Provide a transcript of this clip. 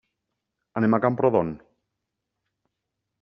Anem a Camprodon.